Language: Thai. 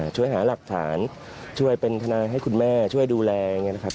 ช่วยหาหลักฐานช่วยเป็นทนายให้คุณแม่ช่วยดูแลอย่างนี้นะครับ